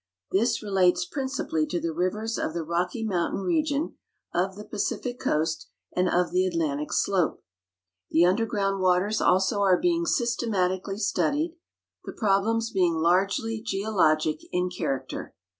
This relates principally to the rivers of the Rocky Mountain region, of the Pacific coast, and of the Atlantic slope. The underground waters also are being systematically studied, the problems being largely geologic in character.